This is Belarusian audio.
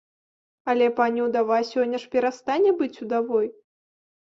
Але пані ўдава сёння ж перастане быць удавой.